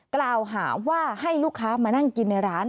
กล่าวหาว่าให้ลูกค้ามานั่งกินในร้าน